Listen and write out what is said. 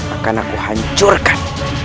akan aku hancurkan